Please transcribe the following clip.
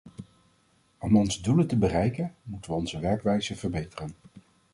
Om onze doelen te bereiken, moeten we onze werkwijzen verbeteren.